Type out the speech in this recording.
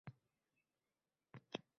-Hech kimim, — taajjublandi u.